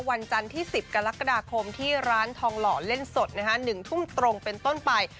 วันจันทร์ที่๑๐กรกฎาคมที่ร้านทองหล่อเล่นสด๑ทุ่มตรงเป็นต้นไป